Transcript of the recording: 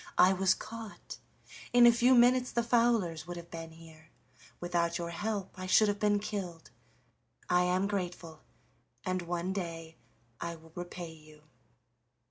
I was caught; in a few minutes the fowlers would have been here without your help I should have been killed. I am grateful, and one day I will repay you."